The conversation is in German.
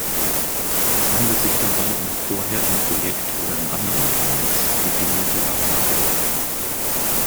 Es handelt sich dabei um vorher im Projekt oder in anderen "Targets" definierte Variablen.